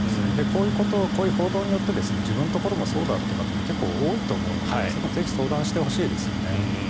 こういうことこういう報道によって自分のところもそうだという方も結構多いと思うのでぜひ相談してほしいですよね。